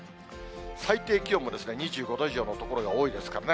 最低気温も２５度以上の所が多いですからね。